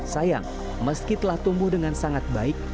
sayang meski telah tumbuh dengan sangat baik